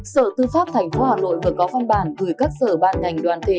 sở tư pháp thành phố hà nội vừa có phân bản gửi các sở ban ngành đoàn thể